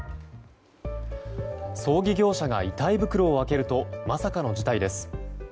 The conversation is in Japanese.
葬儀業者が遺体袋を開けるとまさかの事態です。